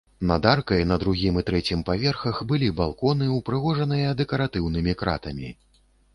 Над аркай на другім і трэцім паверхах былі балконы, упрыгожаныя дэкаратыўнымі кратамі.